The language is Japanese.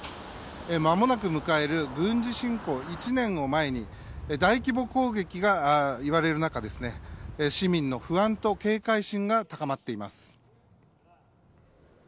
間もなく迎える軍事侵攻１年を前に大規模攻撃がいわれる中市民の不安と警戒心が高まっています。